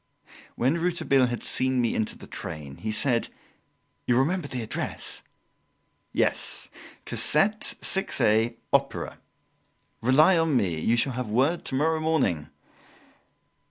When Rouletabille had seen me into the train, he said: "You'll remember the address?" "Yes, Cassette, 6a, Opera. Rely on me; you shall have word tomorrow morning."